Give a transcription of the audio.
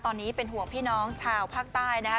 ตอนนี้เป็นห่วงพี่น้องชาวภาคใต้นะคะ